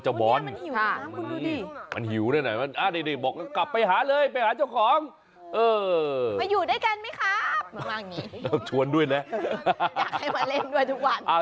ชวนด้วยนะอยากให้มาเล่นด้วยทุกวัน